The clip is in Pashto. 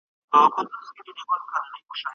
¬ اور او اوبه نه سره يو ځاى کېږي.